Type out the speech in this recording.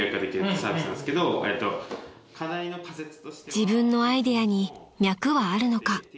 ［自分のアイデアに脈はあるのか？］